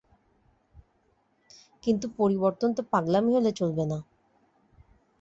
কিন্তু পরিবর্তন তো পাগলামি হলে চলবে না।